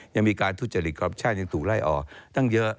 ยังมีการทุจริตคอปชั่นยังถูกไล่ออกตั้งเยอะ